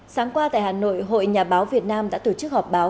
sáng qua tại hà nội hội nhà báo việt nam đã tổ chức họp báo